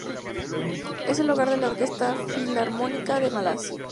Es el hogar de la Orquesta Filarmónica de Malasia.